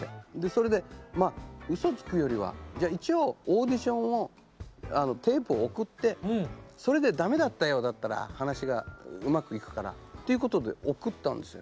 それで嘘つくよりはじゃあ一応オーディションをテープを送ってそれでダメだったようだったら話がうまくいくからということで送ったんです。